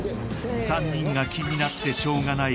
３人が気になってしょうがない